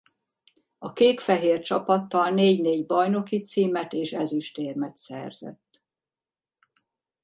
A kék-fehér csapattal négy-négy bajnoki címet és ezüstérmet szerzett.